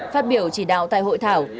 phát biểu chỉ đạo tại hội thảo